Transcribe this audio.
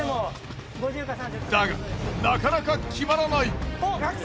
だがなかなか決まらない。